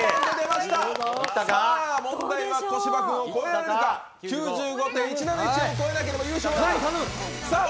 さあ、問題は小柴君を超えられるか９５．１７１を越えなければ優勝はない！